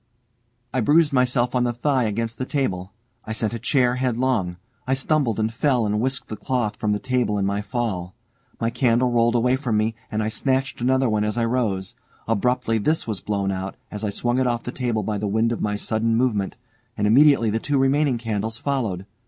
I bruised myself on the thigh against the table, I sent a chair headlong, I stumbled and fell and whisked the cloth from the table in my fall. My candle rolled away from me, and I snatched another as I rose. Abruptly this was blown out, as I swung it off the table by the wind of my sudden movement, and immediately the two remaining candles followed.